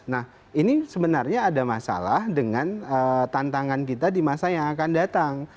nah ini sebenarnya ada masalah dengan tantangan kita di masa yang akan datang